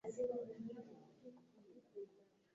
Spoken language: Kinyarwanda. Mbaze ikibazo